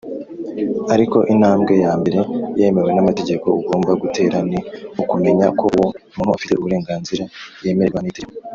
Ariko intambwe ya mbere yemewe n’amategeko ugomba gutera, ni ukumenya ko uwo muntu afite uburenganzira yemererwa n’itegeko